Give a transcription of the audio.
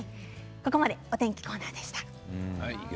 ここまでお天気コーナーでした。